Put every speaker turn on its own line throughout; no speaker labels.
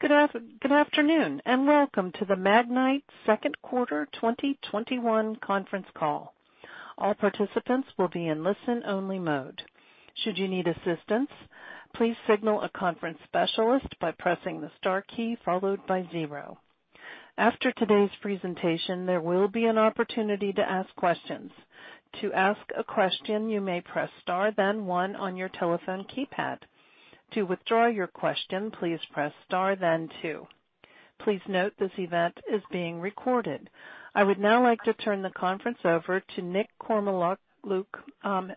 Good afternoon, and welcome to the Magnite second quarter 2021 conference call. I would now like to turn the conference over to Nick Kormeluk,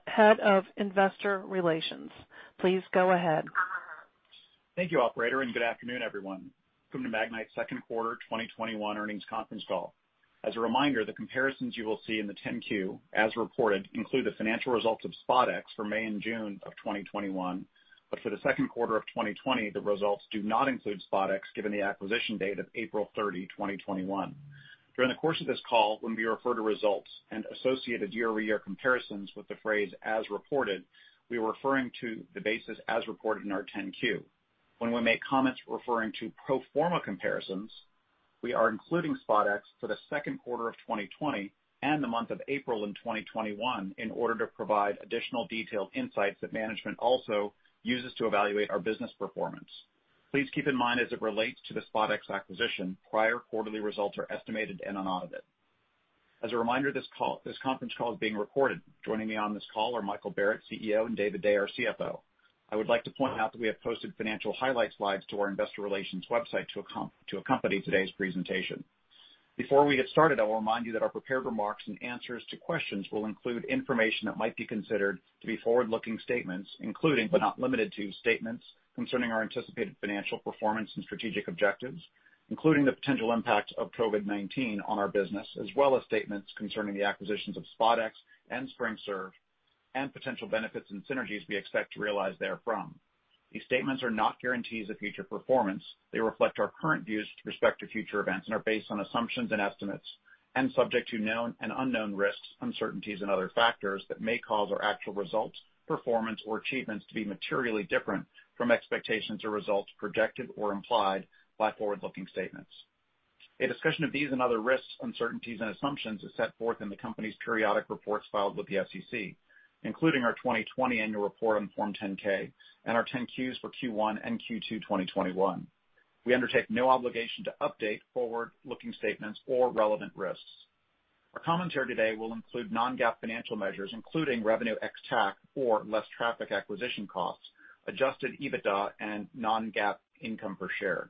Head of Investor Relations. Please go ahead.
Thank you, operator, and good afternoon, everyone. Welcome to Magnite's second quarter 2021 earnings conference call. As a reminder, the comparisons you will see in the 10-Q, as reported, include the financial results of SpotX for May and June of 2021, but for the second quarter of 2020, the results do not include SpotX, given the acquisition date of April 30, 2021. During the course of this call, when we refer to results and associated year-over-year comparisons with the phrase as reported, we are referring to the basis as reported in our 10-Q. When we make comments referring to pro forma comparisons, we are including SpotX for the second quarter of 2020 and the month of April in 2021 in order to provide additional detailed insights that management also uses to evaluate our business performance. Please keep in mind as it relates to the SpotX acquisition, prior quarterly results are estimated and unaudited. As a reminder, this conference call is being recorded. Joining me on this call are Michael Barrett, CEO, and David Day, our CFO. I would like to point out that we have posted financial highlight slides to our investor relations website to accompany today's presentation. Before we get started, I will remind you that our prepared remarks and answers to questions will include information that might be considered to be forward-looking statements, including but not limited to, statements concerning our anticipated financial performance and strategic objectives, including the potential impact of COVID-19 on our business, as well as statements concerning the acquisitions of SpotX and SpringServe, and potential benefits and synergies we expect to realize therefrom. These statements are not guarantees of future performance. They reflect our current views with respect to future events and are based on assumptions and estimates and subject to known and unknown risks, uncertainties and other factors that may cause our actual results, performance, or achievements to be materially different from expectations or results projected or implied by forward-looking statements. A discussion of these and other risks, uncertainties, and assumptions is set forth in the company's periodic reports filed with the SEC, including our 2020 annual report on Form 10-K and our 10-Qs for Q1 and Q2 2021. We undertake no obligation to update forward-looking statements or relevant risks. Our commentary today will include non-GAAP financial measures, including revenue ex TAC or less traffic acquisition costs, adjusted EBITDA, and non-GAAP income per share.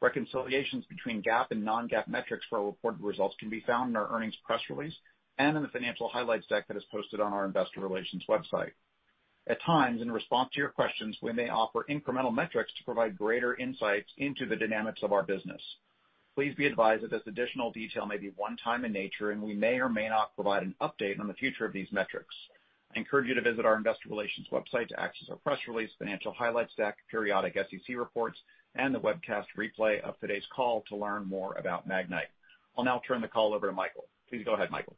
Reconciliations between GAAP and non-GAAP metrics for our reported results can be found in our earnings press release and in the financial highlights deck that is posted on our investor relations website. At times, in response to your questions, we may offer incremental metrics to provide greater insights into the dynamics of our business. Please be advised that this additional detail may be one-time in nature, and we may or may not provide an update on the future of these metrics. I encourage you to visit our investor relations website to access our press release, financial highlights deck, periodic SEC reports, and the webcast replay of today's call to learn more about Magnite. I'll now turn the call over to Michael. Please go ahead, Michael.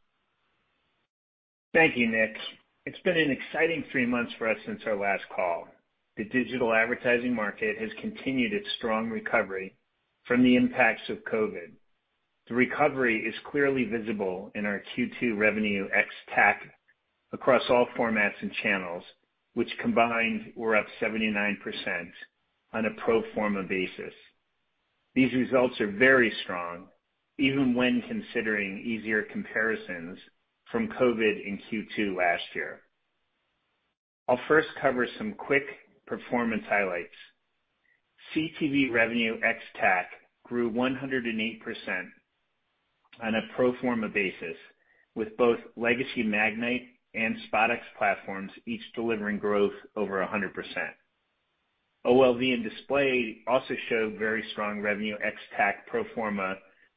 Thank you, Nick Kormeluk. It's been an exciting three months for us since our last call. The digital advertising market has continued its strong recovery from the impacts of COVID. The recovery is clearly visible in our Q2 revenue ex TAC across all formats and channels, which combined were up 79% on a pro forma basis. These results are very strong, even when considering easier comparisons from COVID in Q2 last year. I'll first cover some quick performance highlights. CTV revenue ex TAC grew 108% on a pro forma basis, with both legacy Magnite and SpotX platforms each delivering growth over 100%. OLV and Display also showed very strong revenue ex TAC pro forma,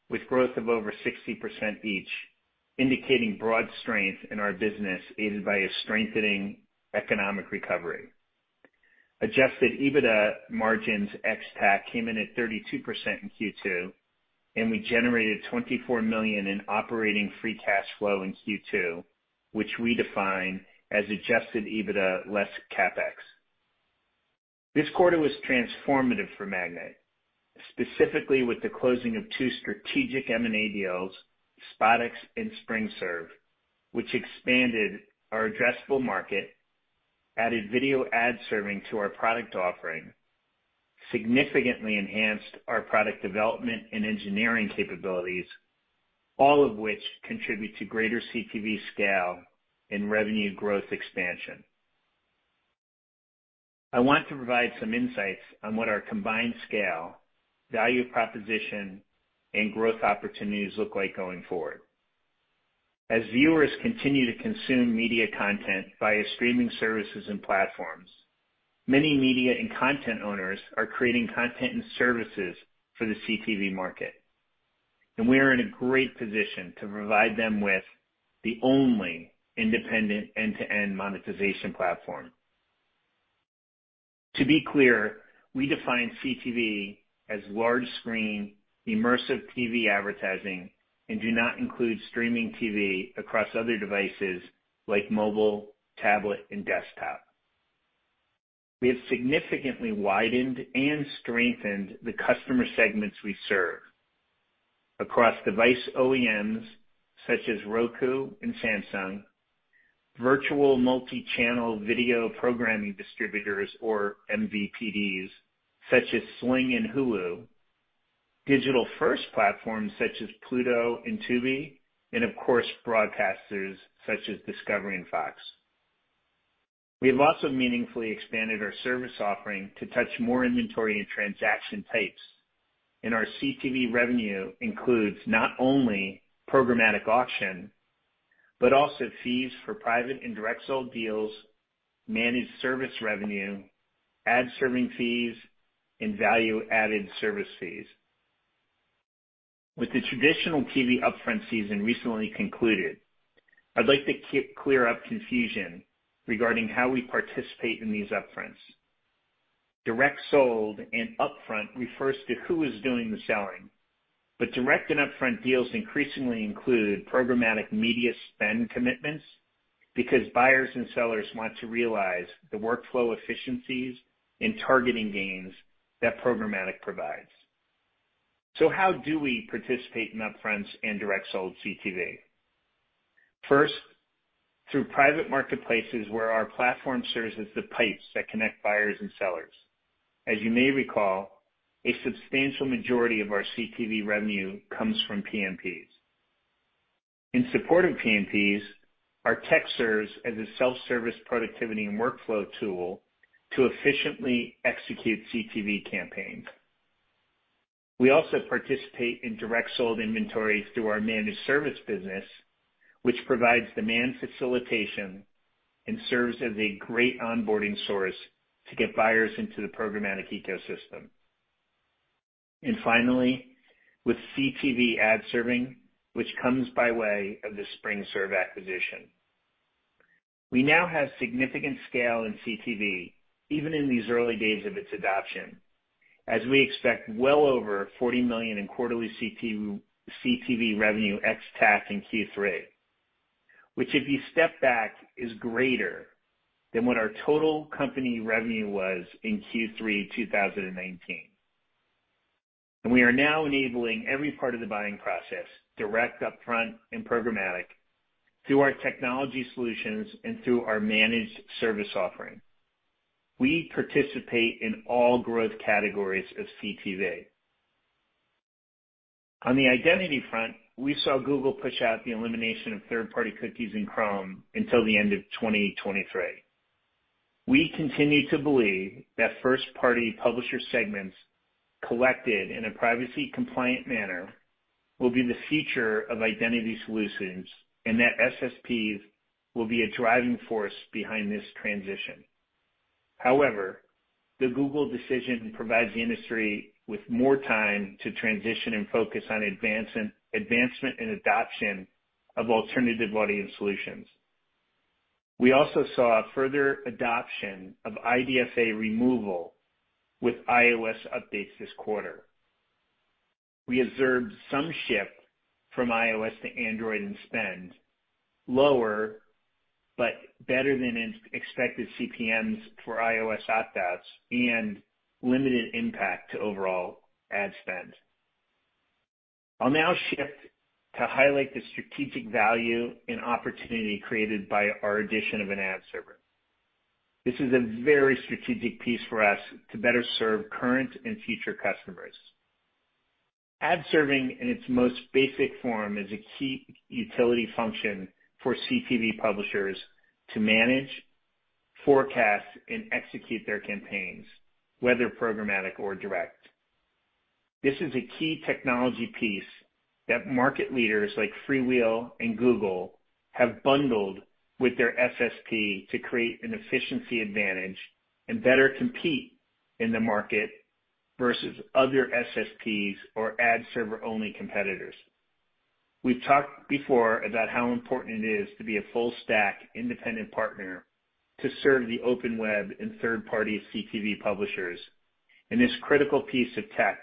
with growth of over 60% each, indicating broad strength in our business, aided by a strengthening economic recovery. Adjusted EBITDA margins ex TAC came in at 32% in Q2. We generated $24 million in operating free cash flow in Q2, which we define as adjusted EBITDA less CapEx. This quarter was transformative for Magnite, specifically with the closing of two strategic M&A deals, SpotX and SpringServe, which expanded our addressable market, added video ad serving to our product offering, significantly enhanced our product development and engineering capabilities, all of which contribute to greater CTV scale and revenue growth expansion. I want to provide some insights on what our combined scale, value proposition, and growth opportunities look like going forward. As viewers continue to consume media content via streaming services and platforms, many media and content owners are creating content and services for the CTV market. We are in a great position to provide them with the only independent end-to-end monetization platform. To be clear, we define CTV as large screen, immersive TV advertising and do not include streaming TV across other devices like mobile, tablet, and desktop. We have significantly widened and strengthened the customer segments we serve across device OEMs such as Roku and Samsung, virtual multi-channel video programming distributors or MVPDs, such as Sling and Hulu, digital-first platforms such as Pluto and Tubi, and of course, broadcasters such as Discovery and Fox. We have also meaningfully expanded our service offering to touch more inventory and transaction types, and our CTV revenue includes not only programmatic auction, but also fees for private and direct sold deals, managed service revenue, ad serving fees, and value-added service fees. With the traditional TV upfront season recently concluded, I'd like to clear up confusion regarding how we participate in these upfronts. Direct sold and upfront refers to who is doing the selling, direct and upfront deals increasingly include programmatic media spend commitments because buyers and sellers want to realize the workflow efficiencies and targeting gains that programmatic provides. How do we participate in upfronts and direct sold CTV? First, through private marketplaces where our platform serves as the pipes that connect buyers and sellers. As you may recall, a substantial majority of our CTV revenue comes from PMPs. In support of PMPs, our tech serves as a self-service productivity and workflow tool to efficiently execute CTV campaigns. We also participate in direct sold inventories through our managed service business, which provides demand facilitation and serves as a great onboarding source to get buyers into the programmatic ecosystem. Finally, with CTV ad serving, which comes by way of the SpringServe acquisition. We now have significant scale in CTV, even in these early days of its adoption, as we expect well over $40 million in quarterly CTV revenue ex TAC in Q3, which if you step back, is greater than what our total company revenue was in Q3 2019. We are now enabling every part of the buying process, direct, upfront, and programmatic through our technology solutions and through our managed service offering. We participate in all growth categories of CTV. On the identity front, we saw Google push out the elimination of third-party cookies in Chrome until the end of 2023. We continue to believe that first-party publisher segments collected in a privacy-compliant manner will be the future of identity solutions, and that SSPs will be a driving force behind this transition. However, the Google decision provides the industry with more time to transition and focus on advancement and adoption of alternative audience solutions. We also saw a further adoption of IDFA removal with iOS updates this quarter. We observed some shift from iOS to Android in spend, lower but better than expected CPMs for iOS opt-outs and limited impact to overall ad spend. I'll now shift to highlight the strategic value and opportunity created by our addition of an ad server. Ad serving in its most basic form is a key utility function for CTV publishers to manage, forecast, and execute their campaigns, whether programmatic or direct. This is a key technology piece that market leaders like FreeWheel and Google have bundled with their SSP to create an efficiency advantage and better compete in the market versus other SSPs or ad server-only competitors. We've talked before about how important it is to be a full stack independent partner to serve the open web and third-party CTV publishers, and this critical piece of tech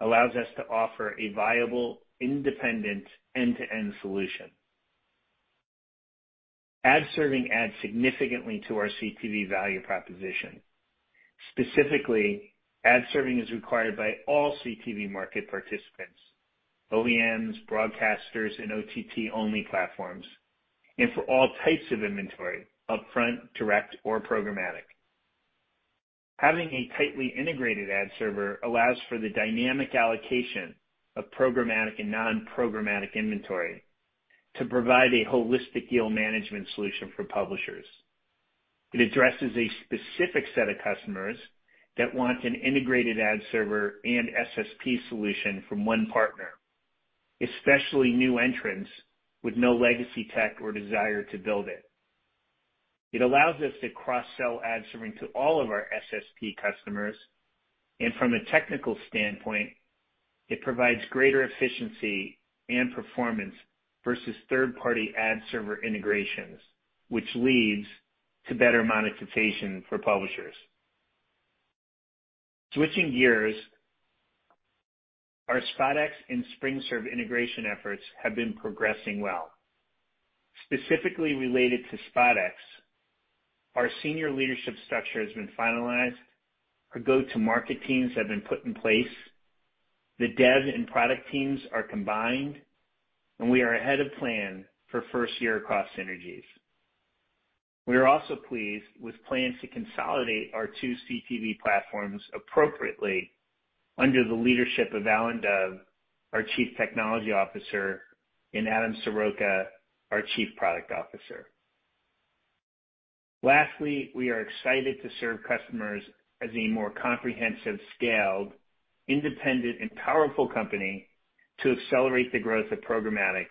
allows us to offer a viable, independent end-to-end solution. Ad serving adds significantly to our CTV value proposition. Specifically, ad serving is required by all CTV market participants, OEMs, broadcasters, and OTT-only platforms, and for all types of inventory, upfront, direct, or programmatic. Having a tightly integrated ad server allows for the dynamic allocation of programmatic and non-programmatic inventory to provide a holistic yield management solution for publishers. It addresses a specific set of customers that want an integrated ad server and SSP solution from one partner, especially new entrants with no legacy tech or desire to build it. It allows us to cross-sell ad serving to all of our SSP customers, and from a technical standpoint, it provides greater efficiency and performance versus third-party ad server integrations, which leads to better monetization for publishers. Switching gears, our SpotX and SpringServe integration efforts have been progressing well. Specifically related to SpotX, our senior leadership structure has been finalized. Our go-to-market teams have been put in place. The dev and product teams are combined, and we are ahead of plan for first-year cost synergies. We are also pleased with plans to consolidate our two CTV platforms appropriately under the leadership of J. Allen Dove, our Chief Technology Officer, and Adam Soroca, our Chief Product Officer. Lastly, we are excited to serve customers as a more comprehensive, scaled, independent, and powerful company to accelerate the growth of programmatic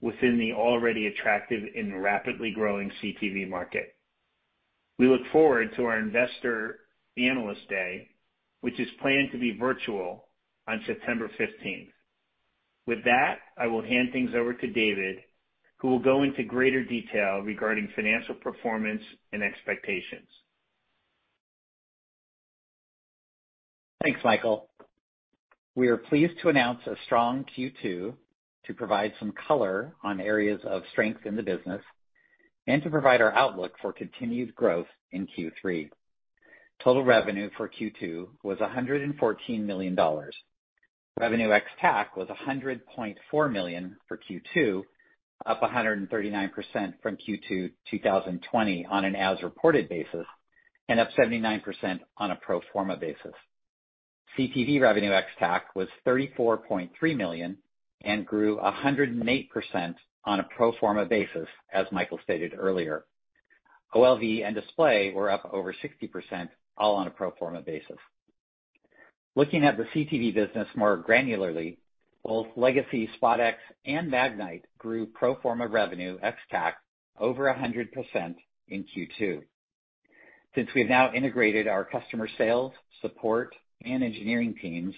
within the already attractive and rapidly growing CTV market. We look forward to our investor analyst day, which is planned to be virtual on September 15th. With that, I will hand things over to David, who will go into greater detail regarding financial performance and expectations.
Thanks, Michael. We are pleased to announce a strong Q2 to provide some color on areas of strength in the business and to provide our outlook for continued growth in Q3. Total revenue for Q2 was $114 million. Revenue ex TAC was $100.4 million for Q2, up 139% from Q2 2020 on an as-reported basis, and up 79% on a pro forma basis. CTV revenue ex TAC was $34.3 million and grew 108% on a pro forma basis, as Michael stated earlier. OLV and display were up over 60%, all on a pro forma basis. Looking at the CTV business more granularly, both legacy SpotX and Magnite grew pro forma revenue ex TAC over 100% in Q2. Since we've now integrated our customer sales, support, and engineering teams,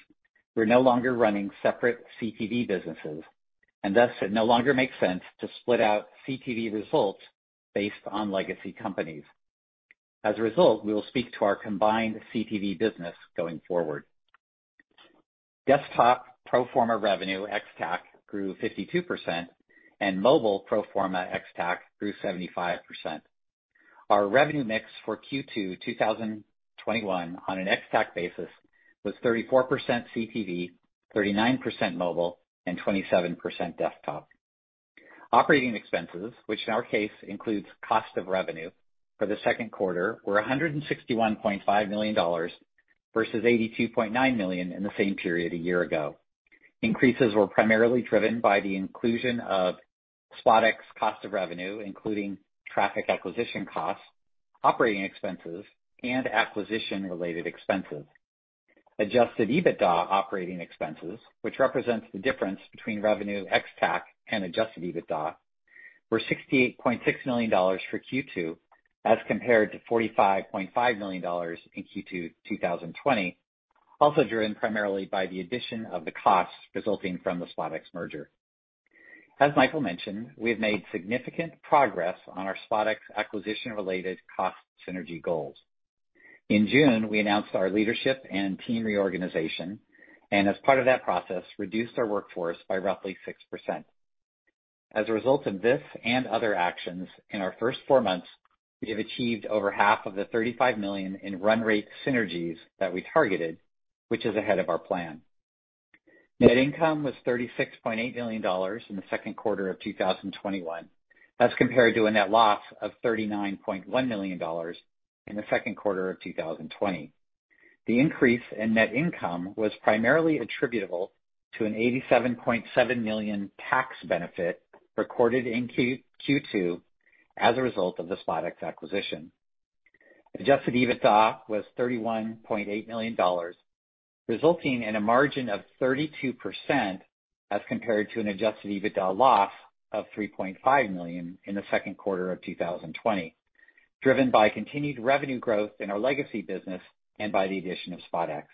we're no longer running separate CTV businesses, and thus it no longer makes sense to split out CTV results based on legacy companies. As a result, we will speak to our combined CTV business going forward. Desktop pro forma revenue ex TAC grew 52%, and mobile pro forma ex TAC grew 75%. Our revenue mix for Q2 2021 on an ex TAC basis was 34% CTV, 39% mobile, and 27% desktop. Operating expenses, which in our case includes cost of revenue for the second quarter, were $161.5 million versus $82.9 million in the same period a year ago. Increases were primarily driven by the inclusion of SpotX cost of revenue, including traffic acquisition costs, operating expenses, and acquisition related expenses. Adjusted EBITDA operating expenses, which represents the difference between revenue ex TAC and adjusted EBITDA, were $68.6 million for Q2 as compared to $45.5 million in Q2 2020, also driven primarily by the addition of the costs resulting from the SpotX merger. As Michael mentioned, we have made significant progress on our SpotX acquisition-related cost synergy goals. In June, we announced our leadership and team reorganization, and as part of that process, reduced our workforce by roughly 6%. As a result of this and other actions, in our first four months, we have achieved over half of the $35 million in run rate synergies that we targeted, which is ahead of our plan. Net income was $36.8 million in the second quarter of 2021. That's compared to a net loss of $39.1 million in the second quarter of 2020. The increase in net income was primarily attributable to an $87.7 million tax benefit recorded in Q2 as a result of the SpotX acquisition. Adjusted EBITDA was $31.8 million, resulting in a margin of 32%, as compared to an adjusted EBITDA loss of $3.5 million in the second quarter of 2020, driven by continued revenue growth in our legacy business and by the addition of SpotX.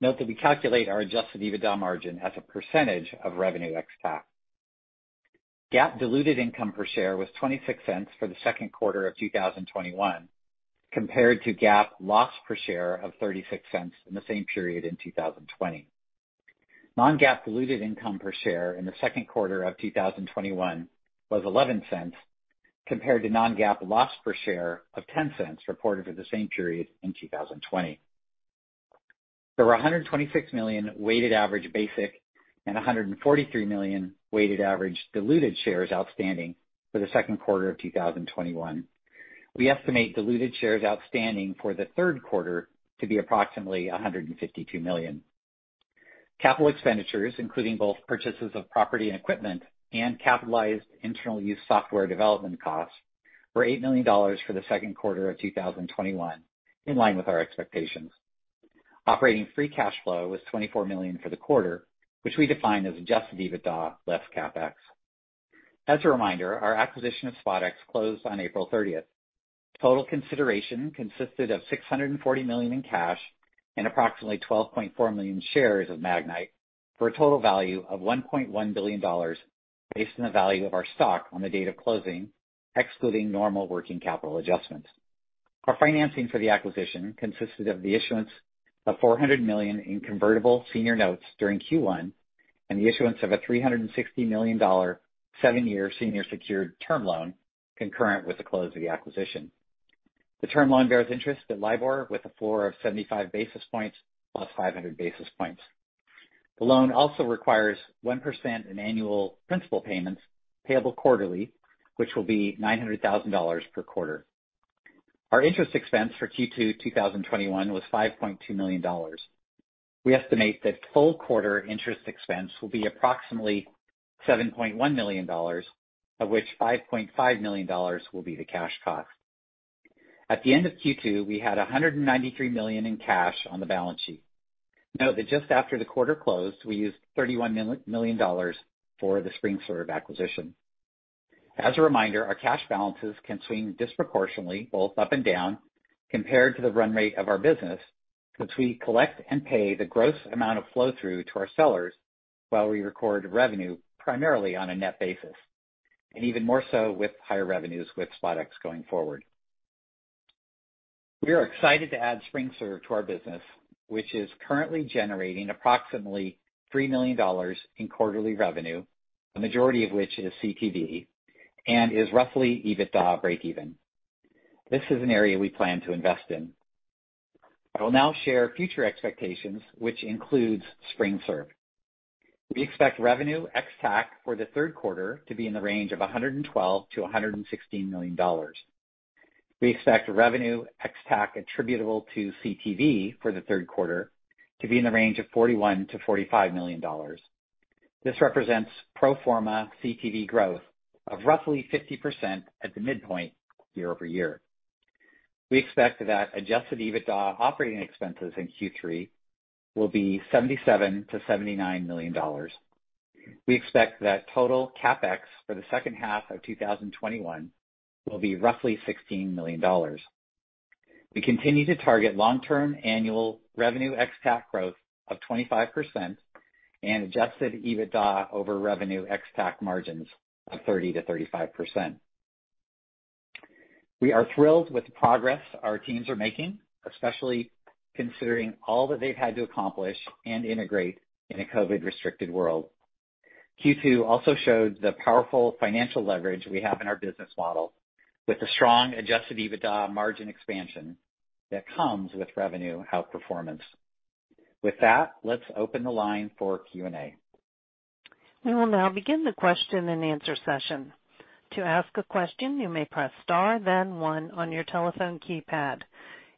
Note that we calculate our adjusted EBITDA margin as a percentage of revenue ex TAC. GAAP diluted income per share was $0.26 for the second quarter of 2021 compared to GAAP loss per share of $0.36 in the same period in 2020. Non-GAAP diluted income per share in the second quarter of 2021 was $0.11, compared to non-GAAP loss per share of $0.10 reported for the same period in 2020. There were 126 million weighted average basic and 143 million weighted average diluted shares outstanding for the second quarter of 2021. We estimate diluted shares outstanding for the third quarter to be approximately 152 million. Capital expenditures, including both purchases of property and equipment and capitalized internal use software development costs, were $8 million for the second quarter of 2021, in line with our expectations. Operating free cash flow was $24 million for the quarter, which we define as adjusted EBITDA less CapEx. As a reminder, our acquisition of SpotX closed on April 30th. Total consideration consisted of $640 million in cash and approximately 12.4 million shares of Magnite for a total value of $1.1 billion, based on the value of our stock on the date of closing, excluding normal working capital adjustments. Our financing for the acquisition consisted of the issuance of $400 million in convertible senior notes during Q1 and the issuance of a $360 million seven year senior secured term loan concurrent with the close of the acquisition. The term loan bears interest at LIBOR with a floor of 75 basis points plus 500 basis points. The loan also requires 1% in annual principal payments payable quarterly, which will be $900,000 per quarter. Our interest expense for Q2 2021 was $5.2 million. We estimate that full quarter interest expense will be approximately $7.1 million, of which $5.5 million will be the cash cost. At the end of Q2, we had $193 million in cash on the balance sheet. Note that just after the quarter closed, we used $31 million for the SpringServe acquisition. As a reminder, our cash balances can swing disproportionately both up and down compared to the run rate of our business, since we collect and pay the gross amount of flow-through to our sellers while we record revenue primarily on a net basis, and even more so with higher revenues with SpotX going forward. We are excited to add SpringServe to our business, which is currently generating $3 million in quarterly revenue, the majority of which is CTV, and is roughly EBITDA breakeven. This is an area we plan to invest in. I will now share future expectations, which includes SpringServe. We expect revenue ex TAC for the third quarter to be in the range of $112 million-$116 million. We expect revenue ex TAC attributable to CTV for the third quarter to be in the range of $41 million-$45 million. This represents pro forma CTV growth of roughly 50% at the midpoint year-over-year. We expect that adjusted EBITDA operating expenses in Q3 will be $77 million-$79 million. We expect that total CapEx for the second half of 2021 will be roughly $16 million. We continue to target long-term annual revenue ex TAC growth of 25% and adjusted EBITDA over revenue ex TAC margins of 30%-35%. We are thrilled with the progress our teams are making, especially considering all that they've had to accomplish and integrate in a COVID-restricted world. Q2 also showed the powerful financial leverage we have in our business model with the strong adjusted EBITDA margin expansion that comes with revenue outperformance. With that, let's open the line for Q&A.
We will now begin the question-and-answer session. To ask a question, you may press star then one on your telephone keypad.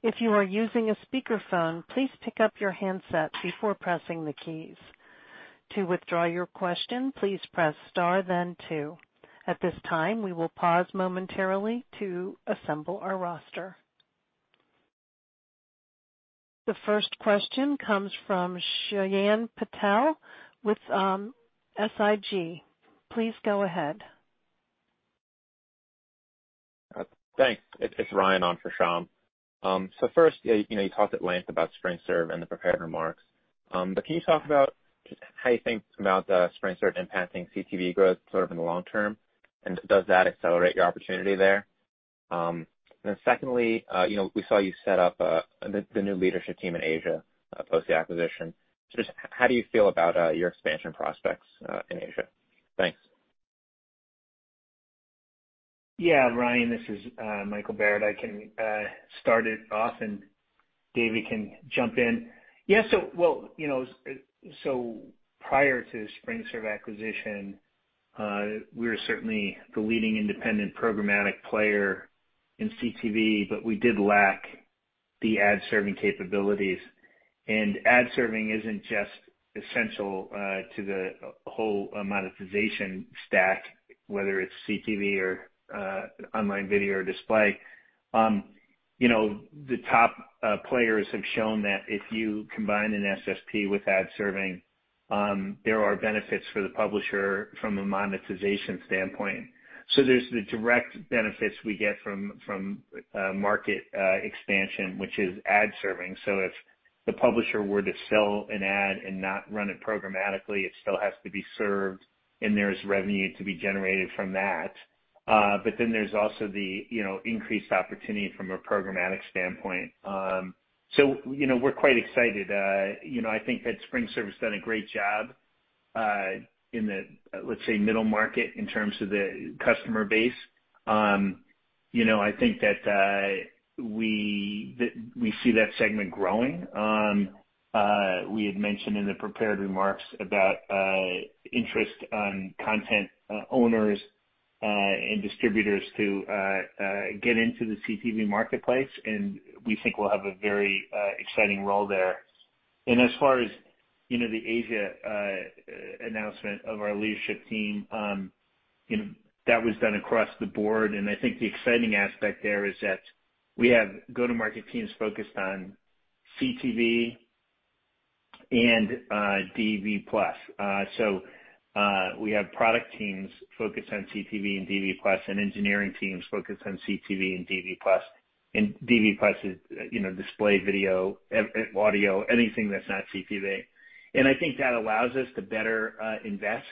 If you are using a speakerphone, please pick up your handset before pressing the keys. To withdraw your question, please press star then two. At this time, we will pause momentarily to assemble our roster. The first question comes from Shyam Patil with SIG. Please go ahead.
Thanks. It's Ryan on for Shyam. First, you talked at length about SpringServe in the prepared remarks. Can you talk about how you think about SpringServe impacting CTV growth sort of in the long-term, and does that accelerate your opportunity there? Secondly, we saw you set up the new leadership team in Asia post the acquisition. Just how do you feel about your expansion prospects in Asia? Thanks.
Ryan, this is Michael Barrett. I can start it off, and David can jump in. Prior to SpringServe acquisition, we were certainly the leading independent programmatic player in CTV, but we did lack the ad-serving capabilities. Ad serving isn't just essential to the whole monetization stack, whether it's CTV or online video or display. The top players have shown that if you combine an SSP with ad serving, there are benefits for the publisher from a monetization standpoint. There's the direct benefits we get from market expansion, which is ad serving. If the publisher were to sell an ad and not run it programmatically, it still has to be served, and there is revenue to be generated from that. There's also the increased opportunity from a programmatic standpoint. We're quite excited. I think that SpringServe's done a great job in the, let's say, middle market in terms of the customer base. I think that we see that segment growing. We had mentioned in the prepared remarks about interest on content owners and distributors to get into the CTV marketplace. We think we'll have a very exciting role there. As far as the Asia announcement of our leadership team, that was done across the board. I think the exciting aspect there is that we have go-to-market teams focused on CTV and DV+. We have product teams focused on CTV and DV+ and engineering teams focused on CTV and DV+. DV+ is display video, audio, anything that's not CTV. I think that allows us to better invest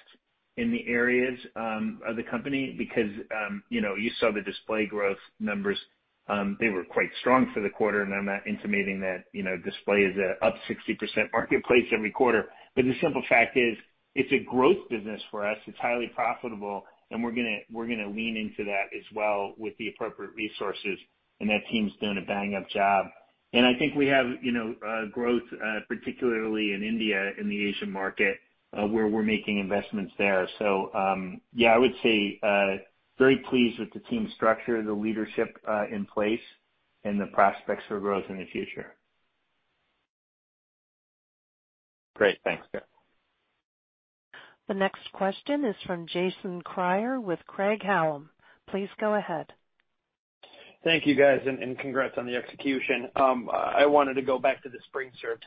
in the areas of the company because you saw the display growth numbers. They were quite strong for the quarter, and I'm not intimating that display is up 60% marketplace every quarter. The simple fact is, it's a growth business for us. It's highly profitable, and we're going to lean into that as well with the appropriate resources, and that team's doing a bang-up job. I think we have growth, particularly in India, in the Asian market, where we're making investments there. Yeah, I would say very pleased with the team structure, the leadership in place, and the prospects for growth in the future.
Great. Thanks, guys.
The next question is from Jason Kreyer with Craig-Hallum. Please go ahead.
Thank you, guys, and congrats on the execution. I wanted to go back to the SpringServe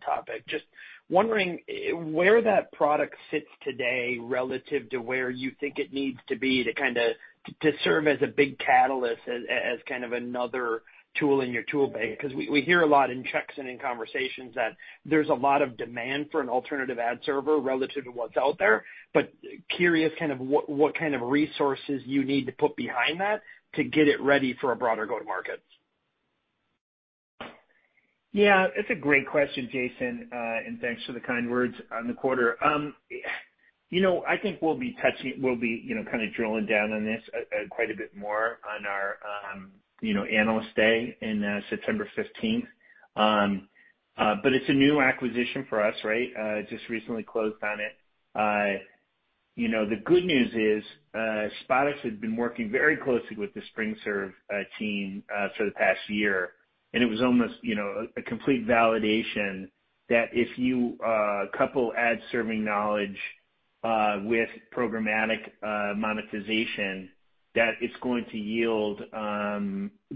topic. Just wondering where that product sits today relative to where you think it needs to be to serve as a big catalyst as another tool in your tool bag. We hear a lot in checks and in conversations that there's a lot of demand for an alternative ad server relative to what's out there, but curious what kind of resources you need to put behind that to get it ready for a broader go-to-market.
Yeah. It's a great question, Jason, and thanks for the kind words on the quarter. I think we'll be kind of drilling down on this quite a bit more on our analyst day in September 15th. It's a new acquisition for us, right? Just recently closed on it. The good news is, SpotX has been working very closely with the SpringServe team for the past year. It was almost a complete validation that if you couple ad serving knowledge with programmatic monetization, that it's going to yield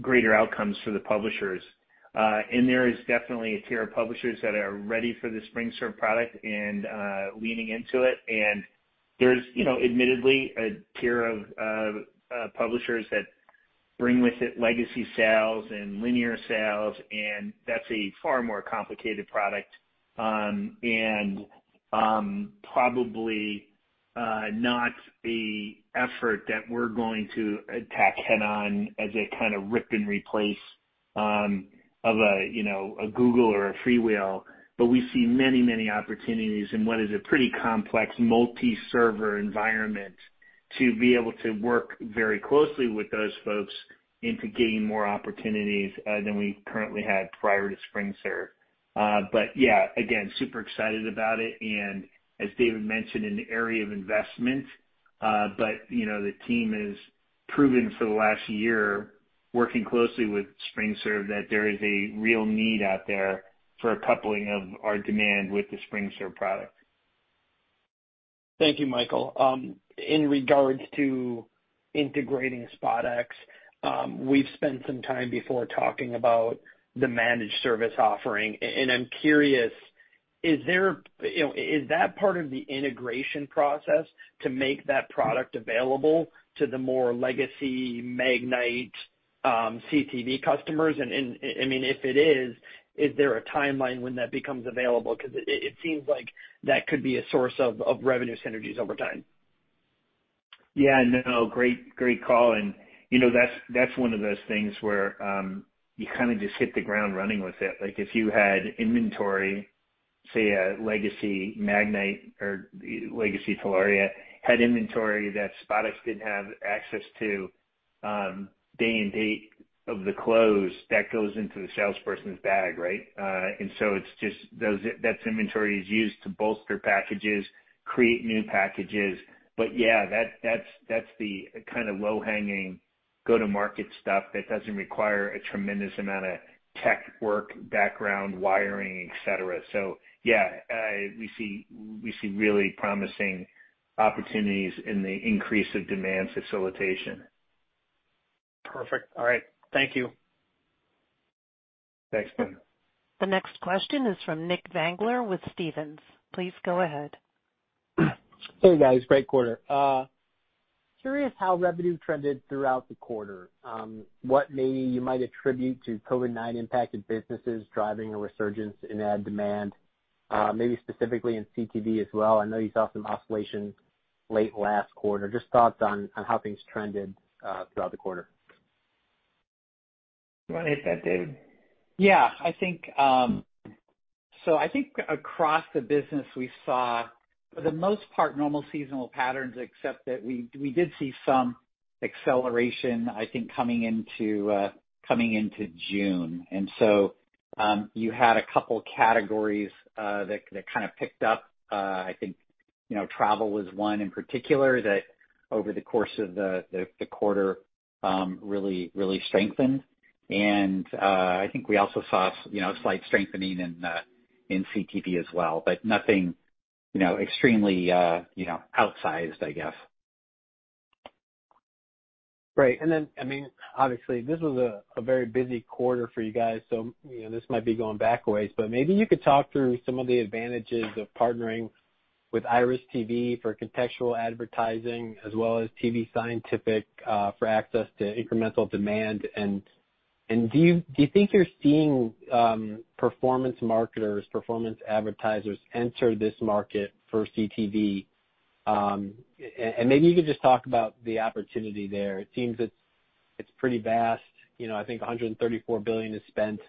greater outcomes for the publishers. There is definitely a tier of publishers that are ready for the SpringServe product and leaning into it. There's admittedly a tier of publishers that bring with it legacy sales and linear sales, and that's a far more complicated product, and probably not the effort that we're going to attack head on as a kind of rip and replace of a Google or a FreeWheel. We see many opportunities in what is a pretty complex multi-server environment to be able to work very closely with those folks into gaining more opportunities than we currently had prior to SpringServe. Yeah, again, super excited about it, and as David mentioned, an area of investment. The team has proven for the last year, working closely with SpringServe, that there is a real need out there for a coupling of our demand with the SpringServe product.
Thank you, Michael. In regards to integrating SpotX, we've spent some time before talking about the managed service offering, and I'm curious, is that part of the integration process to make that product available to the more legacy Magnite CTV customers? If it is there a timeline when that becomes available? It seems like that could be a source of revenue synergies over time.
Yeah, no, great call. That's one of those things where you kind of just hit the ground running with it. Like if you had inventory, say a legacy Magnite or legacy Telaria, had inventory that SpotX didn't have access to day and date of the close, that goes into the salesperson's bag, right? That inventory is used to bolster packages, create new packages. Yeah, that's the kind of low-hanging go-to-market stuff that doesn't require a tremendous amount of tech work, background wiring, et cetera. Yeah, we see really promising opportunities in the increase of demand facilitation.
Perfect. All right. Thank you.
Thanks.
The next question is from Nick Zangler with Stephens. Please go ahead.
Hey, guys. Great quarter. Curious how revenue trended throughout the quarter. What maybe you might attribute to COVID-19 impacted businesses driving a resurgence in ad demand, maybe specifically in CTV as well? I know you saw some oscillation late last quarter. Just thoughts on how things trended throughout the quarter.
You want to hit that, David?
Yeah. I think across the business, we saw, for the most part, normal seasonal patterns, except that we did see some acceleration, I think, coming into June. You had a couple categories that kind of picked up. I think travel was one in particular that over the course of the quarter really strengthened. I think we also saw slight strengthening in CTV as well, but nothing extremely outsized, I guess.
Right. Obviously, this was a very busy quarter for you guys, so this might be going back a ways, but maybe you could talk through some of the advantages of partnering with IRIS.TV for contextual advertising as well as tvScientific for access to incremental demand. Do you think you're seeing performance marketers, performance advertisers enter this market for CTV? Maybe you could just talk about the opportunity there. It seems it's pretty vast. I think $134 billion is spent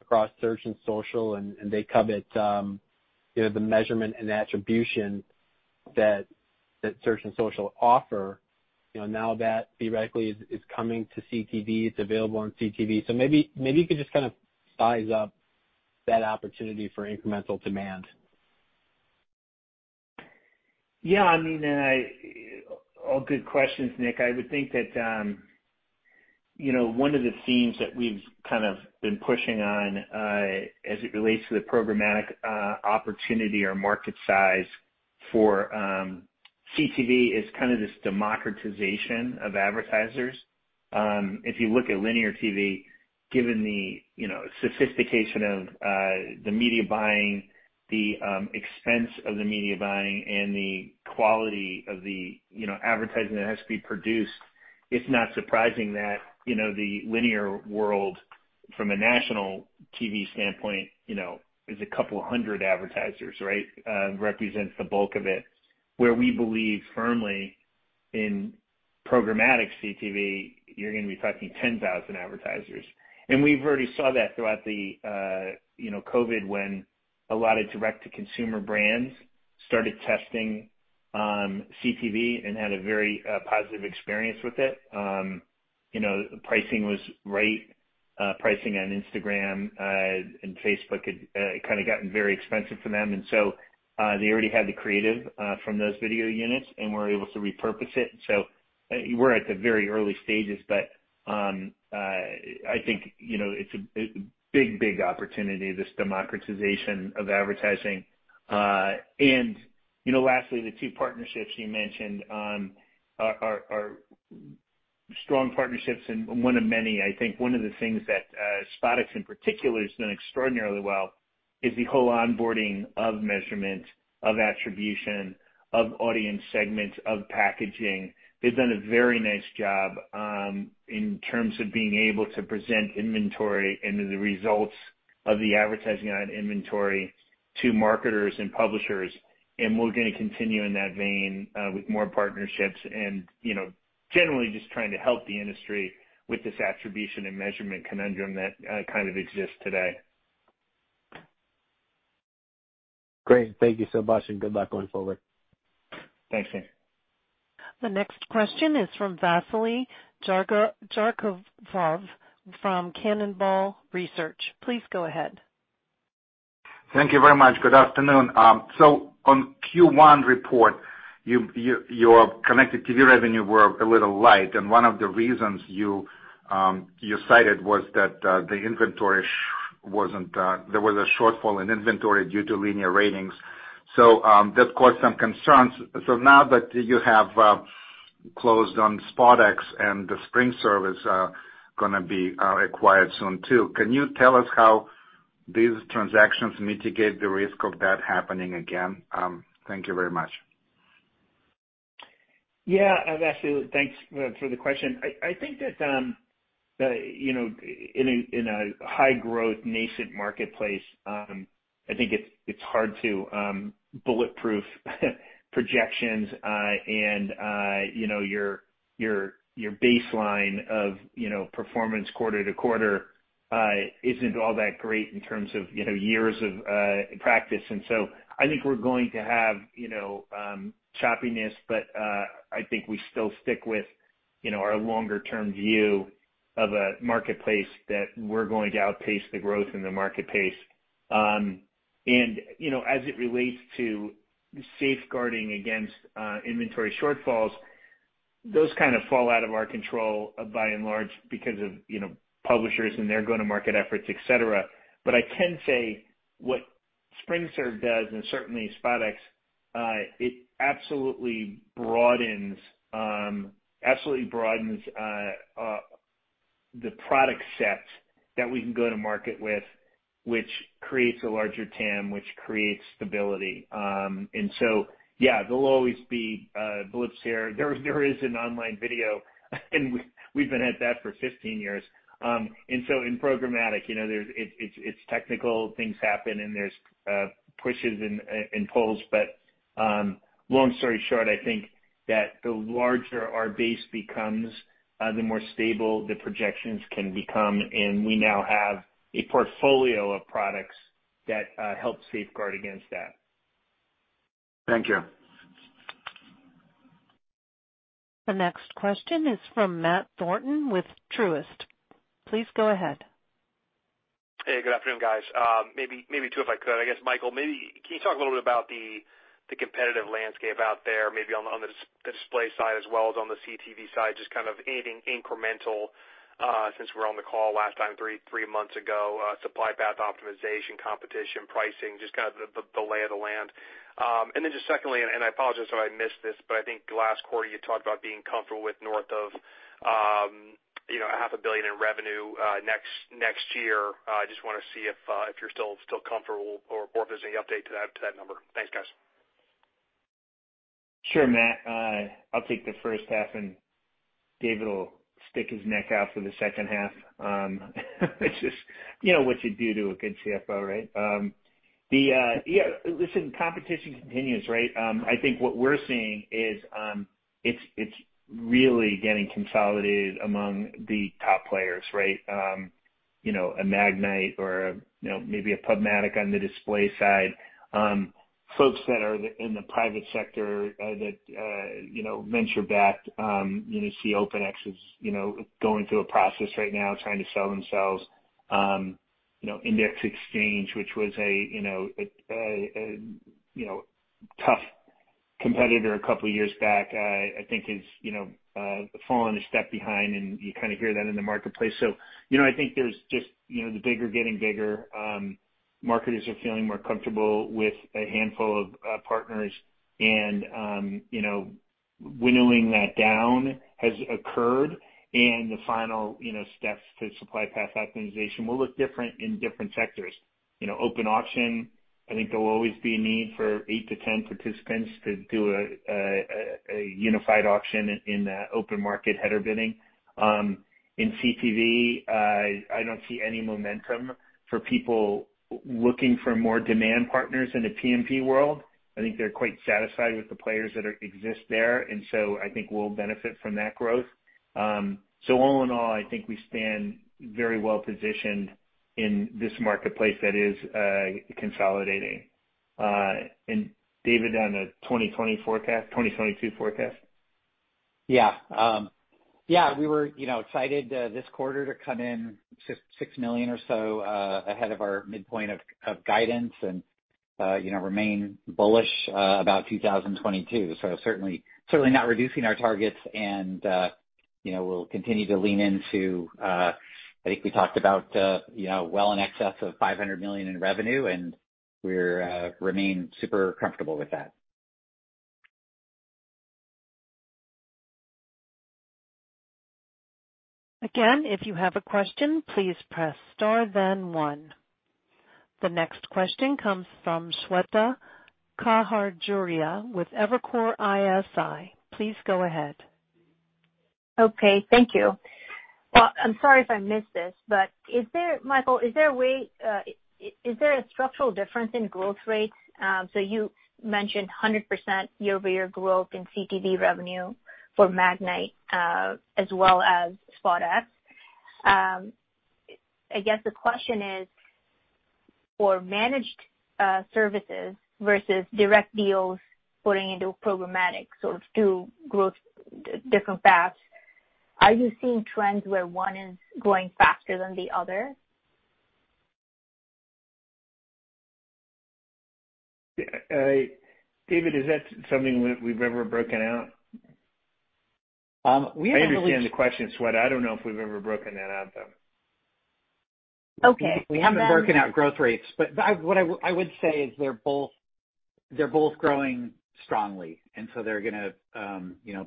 across search and social, they covet the measurement and attribution that search and social offer. Now that theoretically is coming to CTV, it's available on CTV. Maybe you could just size up that opportunity for incremental demand.
Yeah. All good questions, Nick. I would think that one of the themes that we've kind of been pushing on as it relates to the programmatic opportunity or market size for CTV is kind of this democratization of advertisers. If you look at linear TV, given the sophistication of the media buying, the expense of the media buying, and the quality of the advertising that has to be produced, it's not surprising that the linear world from a national TV standpoint is a couple of hundred advertisers, right? Represents the bulk of it. Where we believe firmly in programmatic CTV, you're going to be talking 10,000 advertisers. We've already saw that throughout the COVID when a lot of direct-to-consumer brands started testing CTV and had a very positive experience with it. Pricing was right. Pricing on Instagram and Facebook had kind of gotten very expensive for them. They already had the creative from those video units and were able to repurpose it. We're at the very early stages, but I think it's a big opportunity, this democratization of advertising. Lastly, the two partnerships you mentioned are strong partnerships and one of many. I think one of the things that SpotX in particular has done extraordinarily well is the whole onboarding of measurement, of attribution, of audience segments, of packaging. They've done a very nice job in terms of being able to present inventory and the results of the advertising on inventory to marketers and publishers. We're going to continue in that vein with more partnerships and generally just trying to help the industry with this attribution and measurement conundrum that kind of exists today.
Great. Thank you so much, and good luck going forward.
Thanks, Nick.
The next question is from Vasily Karasyov from Cannonball Research. Please go ahead.
Thank you very much. Good afternoon. On Q1 report, your connected TV revenue were a little light, and one of the reasons you cited was that there was a shortfall in inventory due to linear ratings. That caused some concerns. Now that you have closed on SpotX and the SpringServe is going to be acquired soon too, can you tell us how these transactions mitigate the risk of that happening again? Thank you very much.
Yeah. Vasily, thanks for the question. I think that in a high-growth nascent marketplace, I think it's hard to bulletproof projections and your baseline of performance quarter-to-quarter isn't all that great in terms of years of practice. I think we're going to have choppiness, but I think we still stick with our longer-term view of a marketplace that we're going to outpace the growth in the market pace. As it relates to safeguarding against inventory shortfalls, those kind of fall out of our control by and large because of publishers and their go-to-market efforts, et cetera. I can say what SpringServe does, and certainly SpotX, it absolutely broadens the product set that we can go to market with, which creates a larger TAM, which creates stability. Yeah, there'll always be blips here. There is an online video, we've been at that for 15 years. In programmatic, it's technical, things happen and there's pushes and pulls. Long story short, I think that the larger our base becomes, the more stable the projections can become, and we now have a portfolio of products that help safeguard against that.
Thank you.
The next question is from Matt Thornton with Truist. Please go ahead.
Hey, good afternoon, guys. Maybe two if I could. I guess, Michael, can you talk a little bit about the competitive landscape out there, maybe on the display side as well as on the CTV side, just kind of anything incremental since we're on the call last time three months ago, supply path optimization, competition, pricing, just kind of the lay of the land. Then just secondly, and I apologize if I missed this, but I think last quarter you talked about being comfortable with north of a half a billion in revenue next year. I just want to see if you're still comfortable or if there's any update to that number. Thanks, guys.
Sure, Matt, I'll take the first half. David will stick his neck out for the second half. It's just what you do to a good CFO, right? Listen, competition continues, right? I think what we're seeing is, it's really getting consolidated among the top players, right? A Magnite or maybe a PubMatic on the display side. Folks that are in the private sector that are venture-backed. You see OpenX is going through a process right now trying to sell themselves. Index Exchange, which was a tough competitor a couple of years back, I think is fallen a step behind, and you kind of hear that in the marketplace. I think there's just the bigger getting bigger. Marketers are feeling more comfortable with a handful of partners and winnowing that down has occurred and the final steps to supply path optimization will look different in different sectors. Open auction, I think there will always be a need for eight-10 participants to do a unified auction in the open market header bidding. In CTV, I don't see any momentum for people looking for more demand partners in the PMP world. I think they're quite satisfied with the players that exist there, and so I think we'll benefit from that growth. All in all, I think we stand very well-positioned in this marketplace that is consolidating. David, on the 2022 forecast?
We were excited this quarter to come in $6 million or so ahead of our midpoint of guidance and remain bullish about 2022. Certainly not reducing our targets and we'll continue to lean into, I think we talked about well in excess of $500 million in revenue, and we remain super comfortable with that.
If you have a question, please press star then one. The next question comes from Shweta Khajuria with Evercore ISI. Please go ahead.
Okay. Thank you. Well, I'm sorry if I missed this, Michael, is there a structural difference in growth rates? You mentioned 100% year-over-year growth in CTV revenue for Magnite, as well as SpotX. I guess the question is, for managed services versus direct deals putting into programmatic, two growth different paths, are you seeing trends where one is growing faster than the other?
David, is that something we've ever broken out?
We haven't really-
I understand the question, Shweta. I don't know if we've ever broken that out, though.
Okay.
We haven't broken out growth rates, but what I would say is they're both growing strongly, and so they're gonna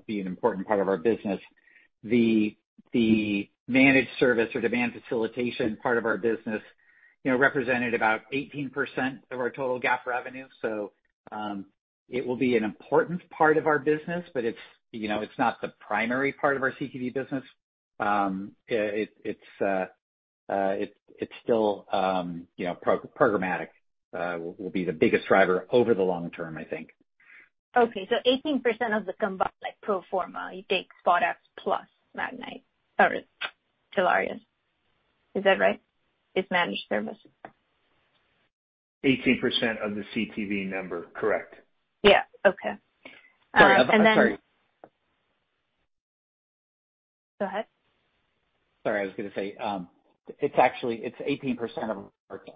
be an important part of our business. The managed service or demand facilitation part of our business represented about 18% of our total GAAP revenue. It will be an important part of our business, but it's not the primary part of our CTV business. It's still programmatic will be the biggest driver over the long-term, I think.
Okay. 18% of the combined pro forma, you take SpotX plus Telaria. Is that right? It's managed services.
18% of the CTV number. Correct.
Yeah. Okay.
Sorry
Go ahead.
Sorry, I was gonna say, it's actually 18%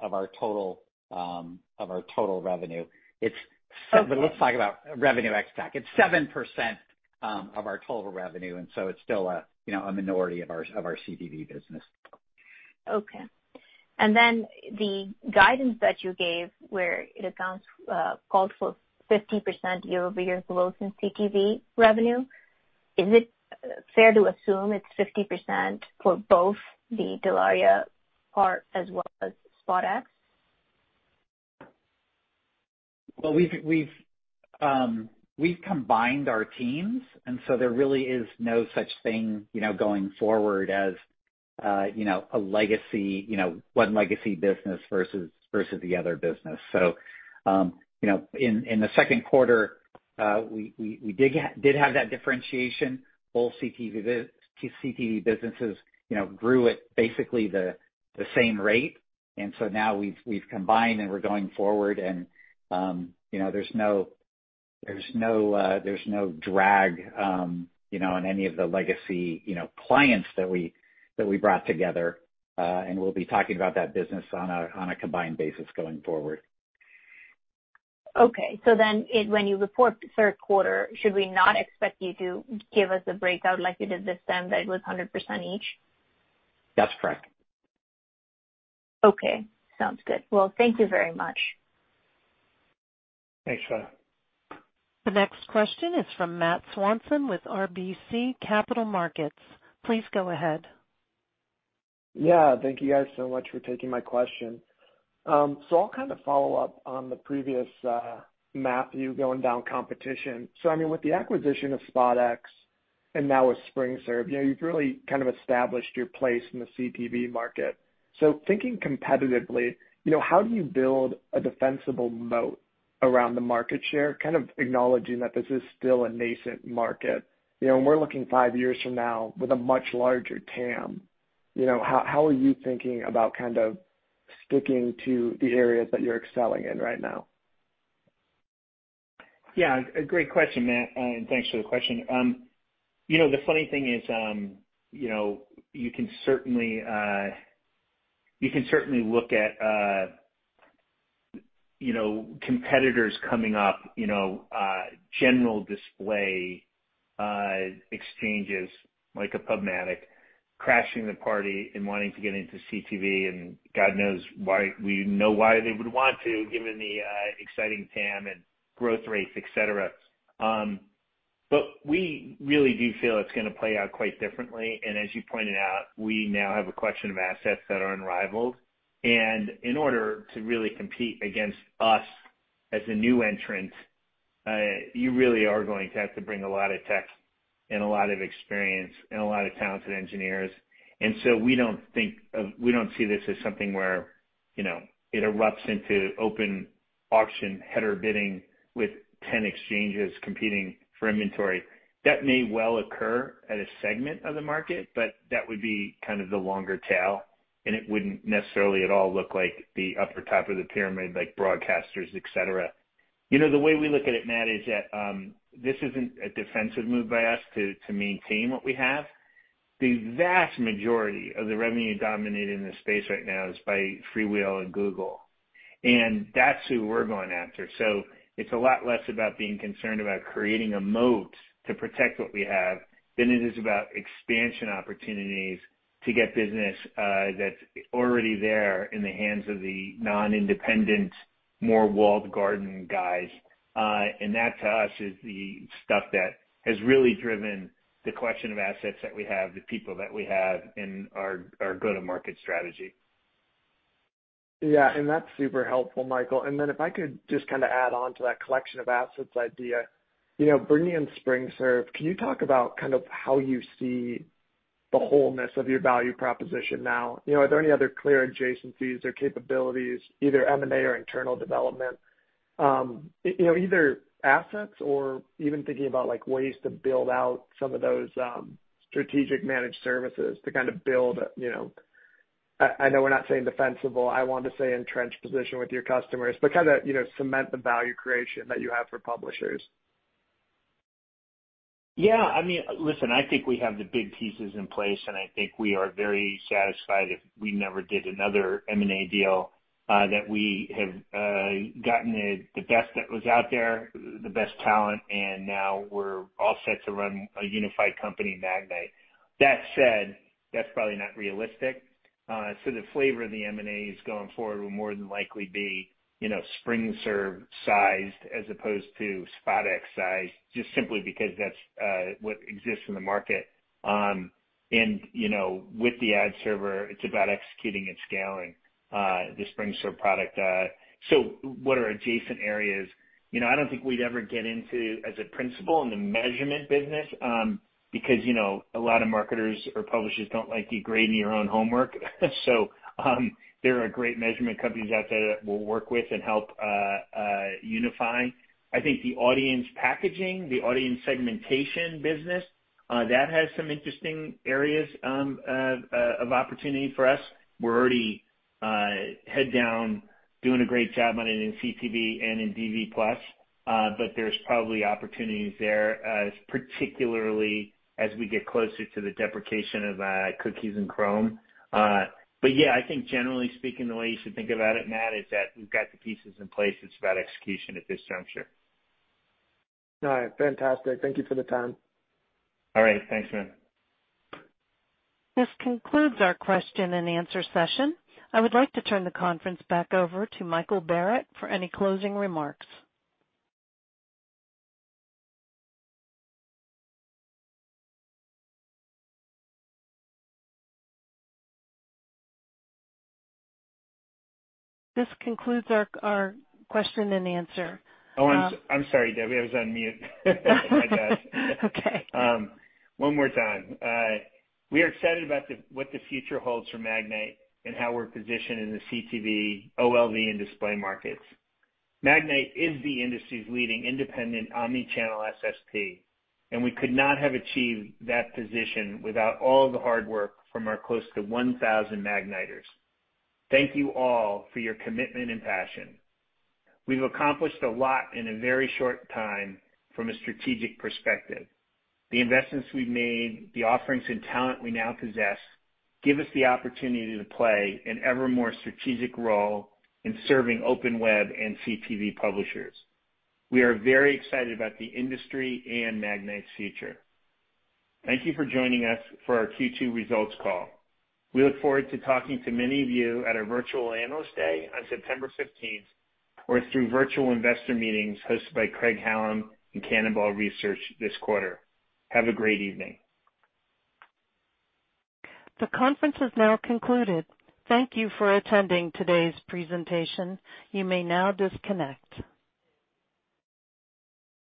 of our total revenue.
Okay.
Let's talk about revenue ex TAC. It's 7% of our total revenue, it's still a minority of our CTV business.
Okay. Then the guidance that you gave where it accounts called for 50% year-over-year growth in CTV revenue, is it fair to assume it's 50% for both the Telaria part as well as SpotX?
Well, we've combined our teams, and so there really is no such thing, going forward as one legacy business versus the other business. In the second quarter, we did have that differentiation. Both CTV businesses grew at basically the same rate. Now we've combined, and we're going forward, and there's no drag in any of the legacy clients that we brought together. We'll be talking about that business on a combined basis going forward.
Okay. When you report third quarter, should we not expect you to give us a breakout like you did this time, that it was 100% each?
That's correct.
Okay. Sounds good. Thank you very much.
Thanks, Shweta.
The next question is from Matt Swanson with RBC Capital Markets. Please go ahead.
Yeah. Thank you guys so much for taking my question. I'll follow up on the previous, Matthew going down competition. With the acquisition of SpotX and now with SpringServe, you've really established your place in the CTV market. Thinking competitively, how do you build a defensible moat around the market share? Kind of acknowledging that this is still a nascent market. When we're looking five years from now with a much larger TAM, how are you thinking about sticking to the areas that you're excelling in right now?
Yeah, a great question, Matt. Thanks for the question. The funny thing is you can certainly look at competitors coming up, general display exchanges like a PubMatic crashing the party and wanting to get into CTV, and God knows why we know why they would want to, given the exciting TAM and growth rates, et cetera. We really do feel it's going to play out quite differently. As you pointed out, we now have a collection of assets that are unrivaled. In order to really compete against us as a new entrant, you really are going to have to bring a lot of tech and a lot of experience and a lot of talented engineers. We don't see this as something where it erupts into open auction header bidding with 10 exchanges competing for inventory. That may well occur at a segment of the market, but that would be kind of the longer tail, and it wouldn't necessarily at all look like the upper top of the pyramid, like broadcasters, et cetera. The way we look at it, Matt, is that this isn't a defensive move by us to maintain what we have. The vast majority of the revenue dominated in this space right now is by FreeWheel and Google, and that's who we're going after. It's a lot less about being concerned about creating a moat to protect what we have than it is about expansion opportunities to get business that's already there in the hands of the non-independent, more walled garden guys. That, to us, is the stuff that has really driven the collection of assets that we have, the people that we have in our go-to-market strategy.
Yeah, that's super helpful, Michael. If I could just add on to that collection of assets idea. Bringing in SpringServe, can you talk about how you see the wholeness of your value proposition now? Are there any other clear adjacencies or capabilities, either M&A or internal development, either assets or even thinking about ways to build out some of those strategic managed services to build I know we're not saying defensible. I want to say entrenched position with your customers, cement the value creation that you have for publishers.
Listen, I think we have the big pieces in place. I think we are very satisfied if we never did another M&A deal that we have gotten the best that was out there, the best talent, and now we're all set to run a unified company, Magnite. That said, that's probably not realistic. The flavor of the M&As going forward will more than likely be SpringServe sized as opposed to SpotX sized, just simply because that's what exists in the market. With the ad server, it's about executing and scaling the SpringServe product. What are adjacent areas? I don't think we'd ever get into, as a principle in the measurement business because a lot of marketers or publishers don't like you grading your own homework. There are great measurement companies out there that we'll work with and help unify. I think the audience packaging, the audience segmentation business, that has some interesting areas of opportunity for us. We're already head down doing a great job on it in CTV and in DV+. There's probably opportunities there, particularly as we get closer to the deprecation of cookies in Chrome. Yeah, I think generally speaking, the way you should think about it, Matt, is that we've got the pieces in place. It's about execution at this juncture.
All right. Fantastic. Thank you for the time.
All right. Thanks, man.
This concludes our question-and-answer session. I would like to turn the conference back over to Michael Barrett for any closing remarks. This concludes our question-and-answer.
Oh, I am sorry, Debbie. I was on mute. My bad.
Okay.
One more time. We are excited about what the future holds for Magnite and how we're positioned in the CTV, OLV, and display markets. Magnite is the industry's leading independent omni-channel SSP. We could not have achieved that position without all the hard work from our close to 1,000 Magniters. Thank you all for your commitment and passion. We've accomplished a lot in a very short time from a strategic perspective. The investments we've made, the offerings and talent we now possess give us the opportunity to play an ever more strategic role in serving open web and CTV publishers. We are very excited about the industry and Magnite's future. Thank you for joining us for our Q2 results call. We look forward to talking to many of you at our virtual Analyst Day on September 15th, or through virtual investor meetings hosted by Craig-Hallum and Cannonball Research this quarter. Have a great evening.
The conference is now concluded. Thank you for attending today's presentation. You may now disconnect.